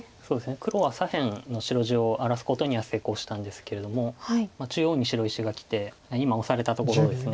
黒は左辺の白地を荒らすことには成功したんですけれども中央に白石がきて今オサされたところです。